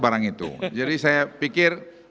barang itu jadi saya pikir